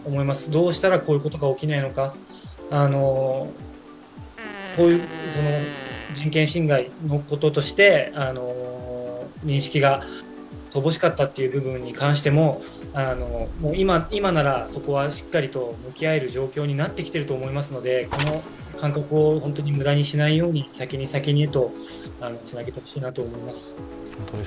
どうしたらこういうことが起きないのか、人権侵害のこととして認識が乏しかったという部分に関しても、今なら、そこはしっかりと向き合える状況になってきていると思いますので、この感覚を無駄にしないように、先に先にとつなげてほしいと思います。